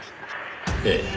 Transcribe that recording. ええ。